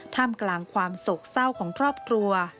ท่ามกลางความโศกเศร้าของครอบครัว